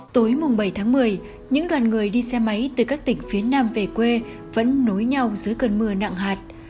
tối bảy tháng một mươi những đoàn người đi xe máy từ các tỉnh phía nam về quê vẫn nối nhau giữa cơn mưa nặng hạt